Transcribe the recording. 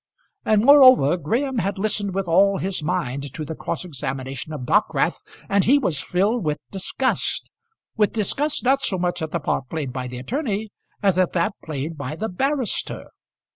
And, moreover, Graham had listened with all his mind to the cross examination of Dockwrath, and he was filled with disgust with disgust, not so much at the part played by the attorney as at that played by the barrister.